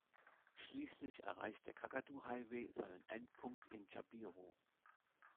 Schließlich erreicht der Kakadu Highway seinen Endpunkt in Jabiru.